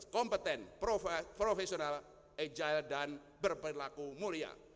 kompeten profesional agile dan berperilaku mulia